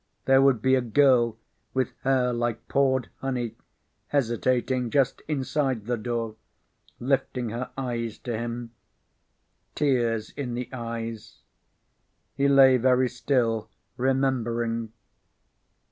There would be a girl with hair like poured honey hesitating just inside the door, lifting her eyes to him. Tears in the eyes. He lay very still, remembering.